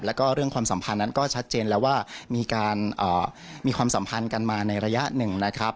แล้วก็เรื่องความสัมพันธ์นั้นก็ชัดเจนแล้วว่ามีการมีความสัมพันธ์กันมาในระยะหนึ่งนะครับ